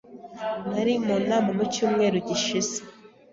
Nari mu nama mu cyumweru gishize.